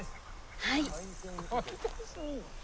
はい。